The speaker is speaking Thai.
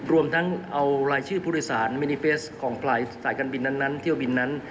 รวมทั้งเอารายชื่อผู้โดยสารมินิเฟสของสายการบินนั้นเที่ยวบินนั้น